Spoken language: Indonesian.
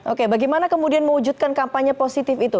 oke bagaimana kemudian mewujudkan kampanye positif itu